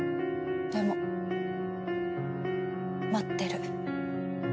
でも待ってる。